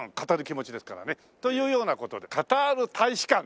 気持ちですからね。というような事でカタール大使館。